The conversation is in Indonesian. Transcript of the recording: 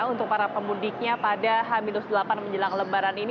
untuk para pemudiknya pada h delapan menjelang lebaran ini